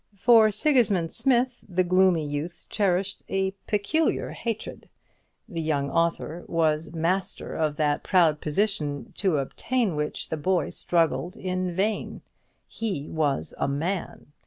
For Sigismund Smith the gloomy youth cherished a peculiar hatred. The young author was master of that proud position to obtain which the boy struggled in vain. He was a man!